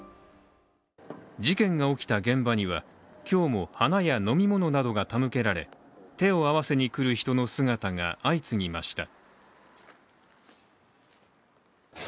事件が起きた現場には、今日も花や飲み物などが手向けられ手を合わせに来る人の姿が相次ぎました。